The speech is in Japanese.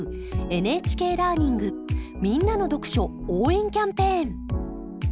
「ＮＨＫラーニングみんなの読書応援キャンペーン」。